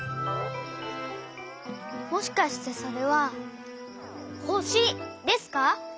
もしかしてそれはほしですか？